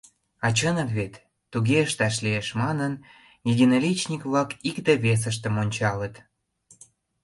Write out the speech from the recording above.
— А чынак вет, туге ышташ лиеш, — манын, единоличник-влак икте-весыштым ончалыт.